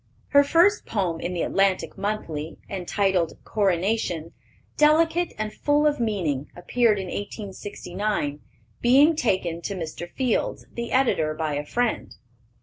Her first poem in the Atlantic Monthly, entitled Coronation, delicate and full of meaning, appeared in 1869, being taken to Mr. Fields, the editor, by a friend.